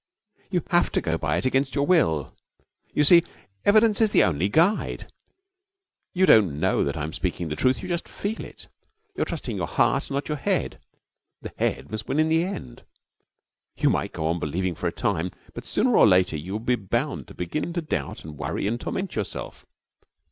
You have to go by it against your will. You see, evidence is the only guide. You don't know that I am speaking the truth; you just feel it. You're trusting your heart and not your head. The head must win in the end. You might go on believing for a time, but sooner or later you would be bound to begin to doubt and worry and torment yourself.